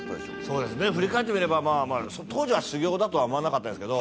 そうですね振り返ってみればまあ当時は修行だとは思わなかったですけど